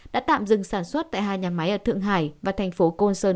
đã tạm dừng sản xuất tại hai nhà máy ở thượng hải và thành phố côn sơn